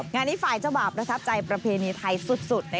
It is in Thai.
งานนี้ฝ่ายเจ้าบาปประทับใจประเพณีไทยสุด